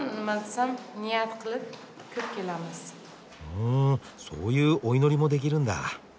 ふんそういうお祈りもできるんだ。